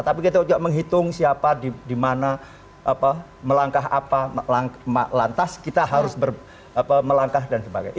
tapi kita juga menghitung siapa di mana melangkah apa lantas kita harus melangkah dan sebagainya